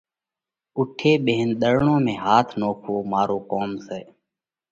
اُوٺي ٻيهينَ ۮرڙون ۾ هاٿ نوکوَو، مارو ڪوم سئہ۔